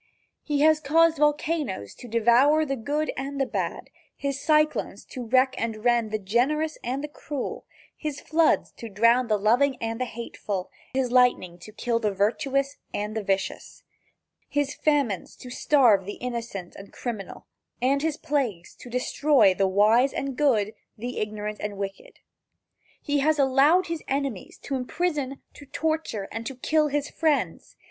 He has caused his volcanoes to devour the good and the bad, his cyclones to wreck and rend the generous and the cruel, his floods to drown the loving and the hateful, his lightning to kill the virtuous and the vicious, his famines to starve the innocent and criminal and his plagues to destroy the wise and good, the ignorant and wicked. He has allowed his enemies to imprison, to torture and to kill his friends.